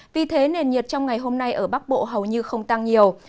vì thế nền nhiệt trong ngày hôm nay ở bắc bộ hầu như không tăng nhiều